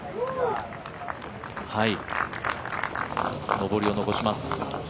上りを残します。